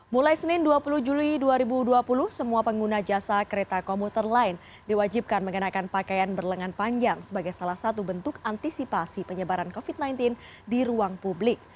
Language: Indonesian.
mulai senin dua puluh juli dua ribu dua puluh semua pengguna jasa kereta komuter lain diwajibkan mengenakan pakaian berlengan panjang sebagai salah satu bentuk antisipasi penyebaran covid sembilan belas di ruang publik